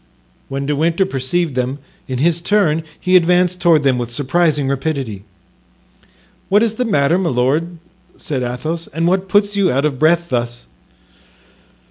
When De Winter perceived them, in his turn he advanced toward them with surprising rapidity. "What is the matter, my lord?" said Athos, "and what puts you out of breath thus?"